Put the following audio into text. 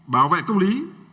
bảo vệ công lý